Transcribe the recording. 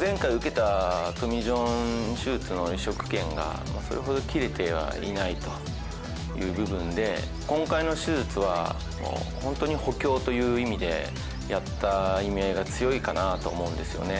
前回受けたトミー・ジョン手術の移植けんが、それほど切れてはいないという部分で、今回の手術は、本当に補強という意味でやった意味合いが強いかなと思うんですよね。